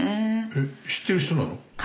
えっ知ってる人なの？